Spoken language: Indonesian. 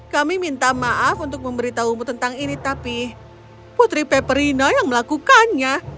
kami minta maaf untuk memberitahumu tentang ini tapi putri peperino yang melakukannya